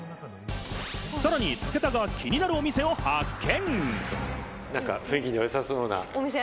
さらに武田が気になるお店を発見！